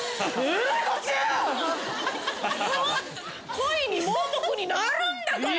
恋に盲目になるんだから。